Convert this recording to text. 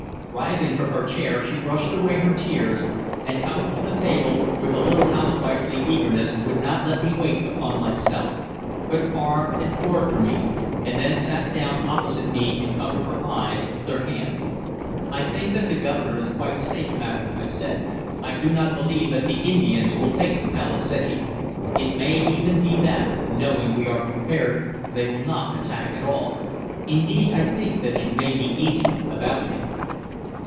Rising from her chair, she brushed away her tears, and coming to the table with a little housewifely eagerness would not let me wait upon myself, but carved and poured for me, and then sat down opposite me and covered her eyes with her hand. "I think that the Governor is quite safe, madam," I said. "I do not believe that the Indians will take the palisade. It may even be that, knowing we are prepared, they will not attack at all. Indeed, I think that you may be easy about him."